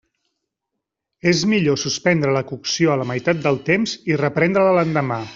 És millor suspendre la cocció a la meitat del temps i reprendre-la l'endemà.